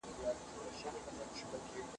درسونه د ښوونکو له خوا ښوول کيږي؟!